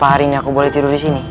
aku boleh tidur disini